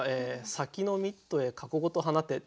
「先のミットへ過去ごと放て」。